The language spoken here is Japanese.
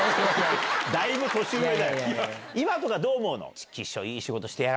今とかどう思うの？